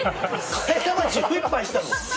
替え玉１１杯いったの？